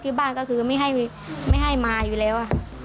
บ้านก็คือไม่ให้มาอยู่แล้ว